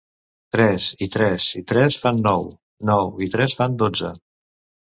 Tres i tres i tres fan nou, nou i tres fan dotze.